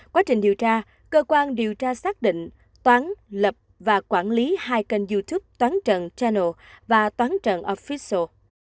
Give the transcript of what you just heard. quá trình điều tra cơ quan điều tra xác định toán lập và quản lý hai kênh youtube toán trần và toán trần offisho